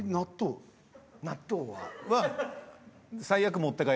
納豆は？